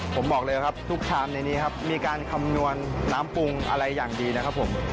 ผมบอกเลยครับทุกชามมีการคำนวณน้ำปรุงอะไรอย่างดีนะครับ